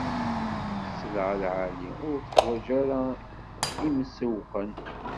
Sselɛa lɛali, ur teḥwaǧ ara imsewwqen.